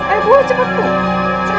ayo ibu terus ibu